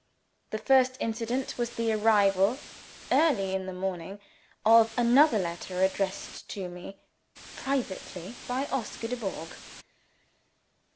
The first incident was the arrival, early in the morning, of another letter addressed to me privately by Oscar Dubourg.